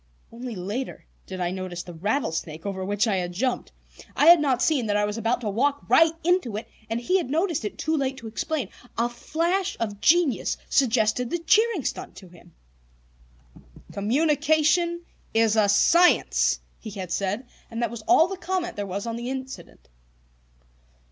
Only later did I notice the rattlesnake over which I had jumped. I had not seen that I was about to walk right into it, and he had noticed it too late to explain. A flash of genius suggested the cheering stunt to him. "Communication is a science!" he had said, and that was all the comment there was on the incident.